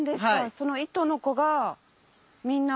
その１頭のコがみんな。